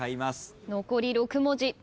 残り６文字。